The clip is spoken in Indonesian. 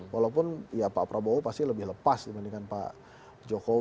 walaupun ya pak prabowo pasti lebih lepas dibandingkan pak jokowi